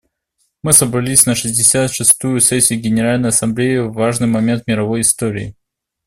Мы собрались на шестьдесят шестую сессию Генеральной Ассамблеи в важный момент мировой истории.